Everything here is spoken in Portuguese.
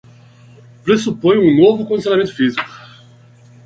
Pressupõe um novo condicionamento físico